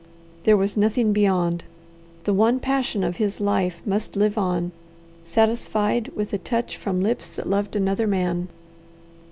There was nothing beyond. The one passion of his life must live on, satisfied with a touch from lips that loved another man.